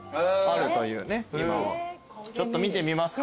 ちょっと見てみますか。